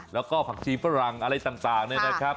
แล้วก็ผักชีฝรั่งอะไรต่างเนี่ยนะครับ